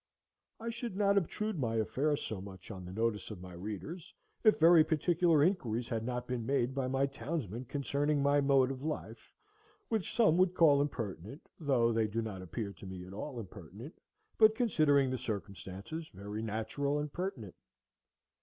I should not obtrude my affairs so much on the notice of my readers if very particular inquiries had not been made by my townsmen concerning my mode of life, which some would call impertinent, though they do not appear to me at all impertinent, but, considering the circumstances, very natural and pertinent.